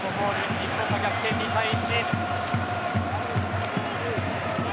日本が逆転２対１。